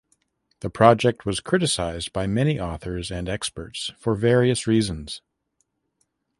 The project was criticized by many authors and experts for various reasons.